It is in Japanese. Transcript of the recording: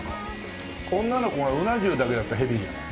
女の子がうな重だけだったらヘビーじゃない。